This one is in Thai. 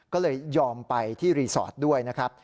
ก็เลยยอมไปที่รีสอร์ทด้วยนะครับ